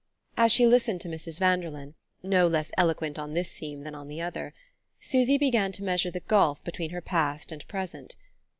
As she listened to Mrs. Vanderlyn no less eloquent on this theme than on the other Susy began to measure the gulf between her past and present.